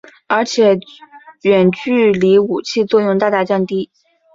而且远距离武器作用大大降低。